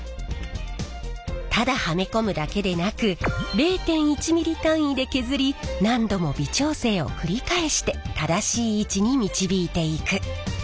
ただはめ込むだけでなく０．１ｍｍ単位で削り何度も微調整を繰り返して正しい位置に導いていく。